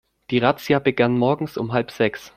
Die Razzia begann morgens um halb sechs.